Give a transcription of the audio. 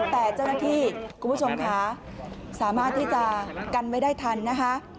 แต่เจ้าหน้าที่คุณผู้ชมค่ะสามารถที่จะกันไว้ได้ทันนะคะ